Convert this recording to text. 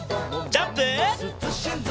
ジャンプ！